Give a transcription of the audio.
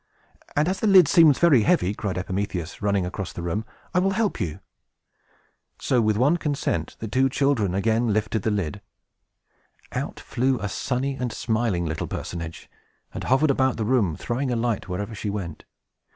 "And as the lid seems very heavy," cried Epimetheus, running across the room, "I will help you!" So, with one consent, the two children again lifted the lid. Out flew a sunny and smiling little personage, and hovered about the room, throwing a light wherever she went.